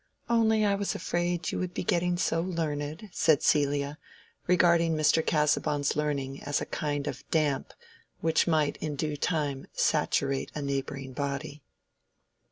"Only I was afraid you would be getting so learned," said Celia, regarding Mr. Casaubon's learning as a kind of damp which might in due time saturate a neighboring body.